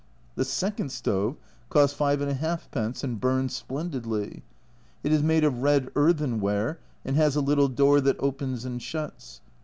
The second stove cost 5|d. and burns splendidly ; it is made of red earthenware, and has a little door that opens and shuts.